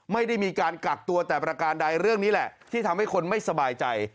ไม่ได้มีการกักตัวแต่ประการใดเรื่องนี้แหละที่ทำให้คนไม่สบายใจ